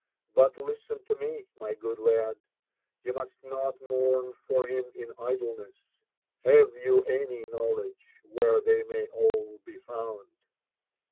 But listen to me, my good lad : you IBUst not mourn for him in idleness. Have you any knowledge whers they may all be found